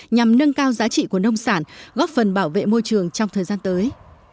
nhằm nâng cao giá trị của nông sản góp phần bảo vệ môi trường trong thời gian tới